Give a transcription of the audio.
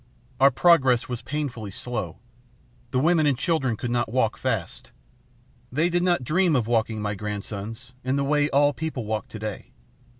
"Our progress was painfully slow. The women and children could not walk fast. They did not dream of walking, my grandsons, in the way all people walk to day.